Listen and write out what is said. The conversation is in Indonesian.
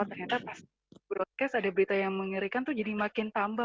ternyata pas broadcast ada berita yang mengerikan tuh jadi makin tambah